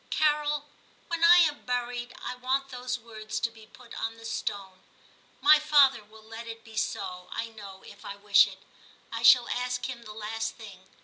Carol, when I am buried, I want those words to be put on the stone. My father will let it be so, I know, if I wish it ; I shall ask him the last thing.